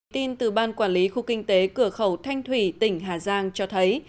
tin từ ban quản lý khu kinh tế cửa khẩu thanh thủy tỉnh hà giang cho thấy